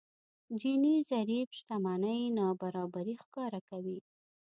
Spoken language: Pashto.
جيني ضريب شتمنۍ نابرابري ښکاره کوي.